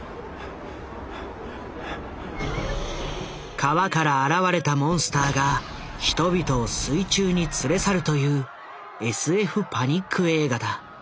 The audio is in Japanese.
川から現れたモンスターが人々を水中に連れ去るというＳＦパニック映画だ。